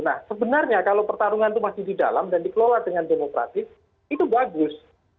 nah sebenarnya kalau pertarungan itu masih di dalam dan dikelola dengan demokratis itu bagus